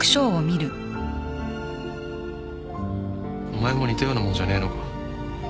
お前も似たようなもんじゃねえのか。